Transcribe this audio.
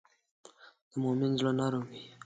د مؤمن زړه نرم وي.